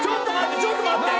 ちょっと待って。